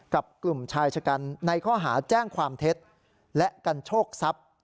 กลุ่มชายชะกันในข้อหาแจ้งความเท็จและกันโชคทรัพย์